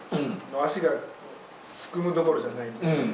足がすくむどころじゃないみたいな。